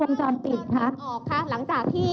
เรามีการปิดบันทึกจับกลุ่มเขาหรือหลังเกิดเหตุแล้วเนี่ย